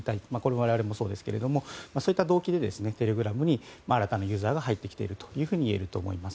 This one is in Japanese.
我々もそうですけれどもそういった動機でテレグラムに新たなユーザーが入っているといえると思います。